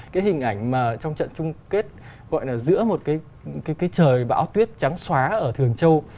cái hình ảnh mà trong trận chung kết gọi là giữa một cái trời bão tuyết trắng xóa ở thường châu